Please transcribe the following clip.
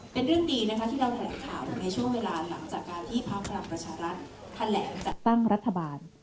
เป็นเรื่องดีนะคะที่เราแถลงข่าวในช่วงเวลาหลังจากการที่พักพลังประชารัฐแถลงจัดตั้งรัฐบาล